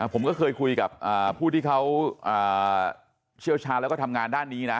ผมก็เคยคุยกับผู้ที่เขาเชี่ยวชาญแล้วก็ทำงานด้านนี้นะ